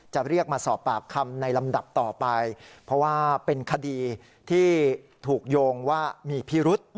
จะเรียกมาสอบปากคำในลำดับต่อไปเพราะว่าเป็นคดีที่ถูกโยงว่ามีพิรุษ